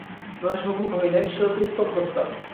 পরেশবাবু কহিলেন, সে অতি উত্তম প্রস্তাব।